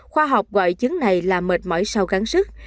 khoa học gọi chứng này là mệt mỏi sâu gắn sức